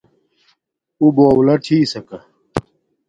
اُݸ بݳݸلر چھݵسَکݳ.